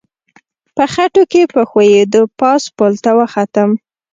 په خټو کې په ښویېدو پاس پل ته وختم.